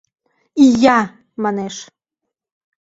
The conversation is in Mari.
«Ия» манеш!..